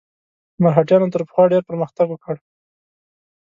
مرهټیانو تر پخوا ډېر پرمختګ وکړ.